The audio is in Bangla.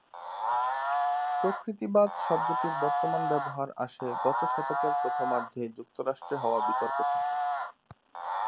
প্রকৃতিবাদ শব্দটির বর্তমান ব্যবহার আসে গত শতকের প্রথমার্ধে যুক্তরাষ্ট্রে হওয়া বিতর্ক থেকে।